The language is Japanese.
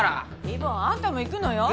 ヒー坊あんたも行くのよ。